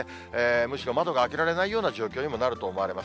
むしろ窓が開けられないような状況になると思います。